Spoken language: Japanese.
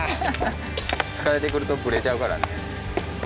疲れてくるとブレちゃうからね。